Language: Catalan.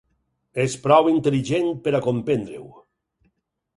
És prou intel·ligent per a comprendre-ho.